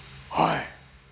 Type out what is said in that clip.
はい。